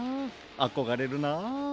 あこがれるな。